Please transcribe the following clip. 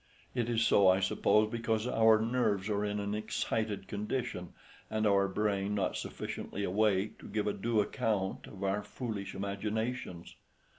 It is so, I suppose, because our nerves are in an excited condition, and our brain not sufficiently awake to give a due account of our foolish imaginations.